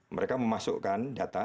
mereka memasukkan data